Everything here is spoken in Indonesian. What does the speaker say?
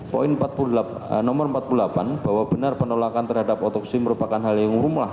poin nomor empat puluh delapan bahwa benar penolakan terhadap otopsi merupakan hal yang rumuh